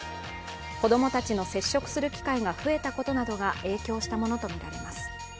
子供たちの接触する機会が増えたことなどが影響したものとみられます。